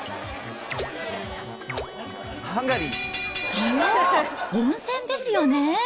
そう、温泉ですよね。